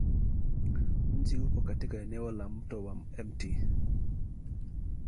Mji upo katika eneo la Mto wa Mt.